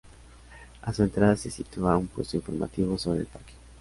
A su entrada se sitúa un puesto informativo sobre el parque.